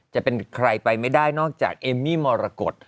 จะเป็นใครไปไม่ได้นอกจากเอมมี่มรกฏ